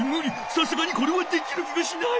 さすがにこれはできる気がしない。